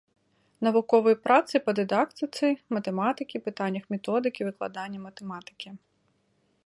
Навуковыя працы па дыдактыцы матэматыкі, пытаннях методыкі выкладання матэматыкі.